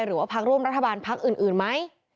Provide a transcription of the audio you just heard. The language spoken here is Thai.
หรือว่าพักร่วมรัฐบาลพักอื่นไหม